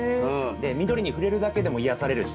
で緑にふれるだけでも癒やされるしね。